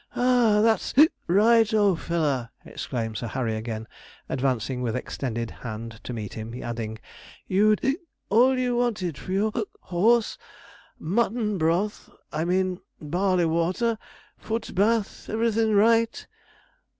'Ah, that's right, old feller,' exclaimed Sir Harry, again advancing with extended hand to meet him, adding, 'you'd all you wanted for your horse: mutton broth I mean barley water, foot bath, everything right.